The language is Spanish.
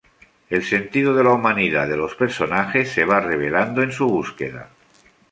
El sentido de la humanidad de los personajes se va revelando en su búsqueda.